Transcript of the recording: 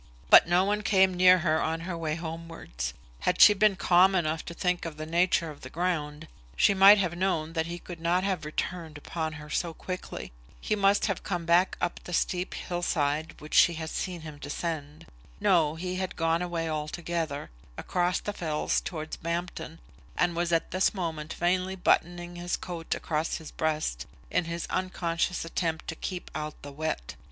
But no one came near her on her way homewards. Had she been calm enough to think of the nature of the ground, she might have known that he could not have returned upon her so quickly. He must have come back up the steep hill side which she had seen him descend. No; he had gone away altogether, across the fells towards Bampton, and was at this moment vainly buttoning his coat across his breast, in his unconscious attempt to keep out the wet.